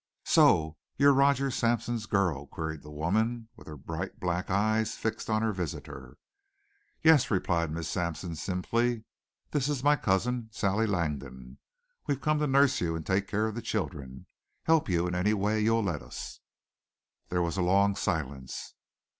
"So you're Roger Sampson's girl?" queried the woman, with her bright black eyes fixed on her visitor. "Yes," replied Miss Sampson, simply. "This is my cousin, Sally Langdon. We've come to nurse you, take care of the children, help you in any way you'll let us." There was a long silence.